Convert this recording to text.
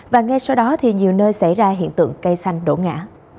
và ngay sau đó thì nhiều nơi xảy ra hiện tượng cây xanh đổ ngã